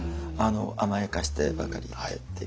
甘やかしてばかりいてっていう。